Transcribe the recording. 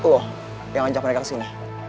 oh yang ajak mereka ke sini